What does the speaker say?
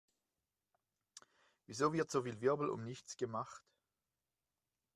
Wieso wird so viel Wirbel um nichts gemacht?